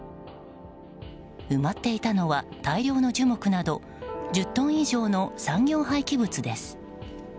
埋まっていたのは大量の樹木など１０トン以上の産業廃棄物です。